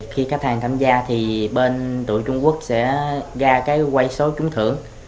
khi khách hàng tham gia thì bên đội trung quốc sẽ ra cái quay số trúng thưởng